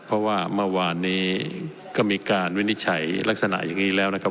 เพราะว่าเมื่อวานนี้ก็มีการวินิจฉัยลักษณะอย่างนี้แล้วนะครับ